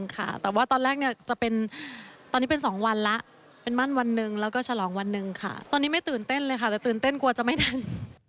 ไม่ตื่นเต้นเลยค่ะแต่ตื่นเต้นกว่าจะไม่ทัน